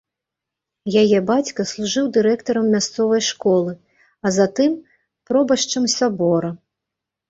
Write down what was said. Яе бацька служыў дырэктарам мясцовай школы, а затым пробашчам сабора.